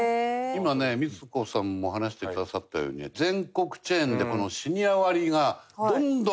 今ねみつこさんも話してくださったようにね全国チェーンでこのシニア割がどんどん普及してるんですって。